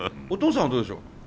お父さんはどうでしょう？